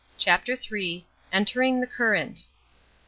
CHAPTER III. ENTERING THE CURRENT.